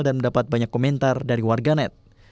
dan mendapat banyak komentar dari warganet